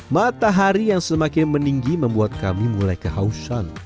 matahari yang semakin meninggi membuat kami mulai kehausan